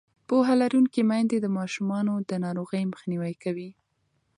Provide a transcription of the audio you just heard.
پوهه لرونکې میندې د ماشومانو د ناروغۍ مخنیوی کوي.